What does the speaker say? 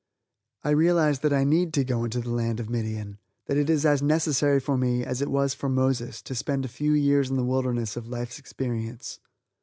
I realize that I need to go into the land of Midian; that it is as necessary for me, as it was for Moses, to spend a few years in the wilderness of Life's experience.